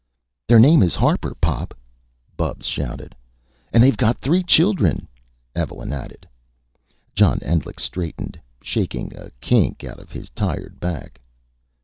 "Their name is Harper, Pop!" Bubs shouted. "And they've got three children!" Evelyn added. John Endlich, straightened, shaking a kink out of his tired back.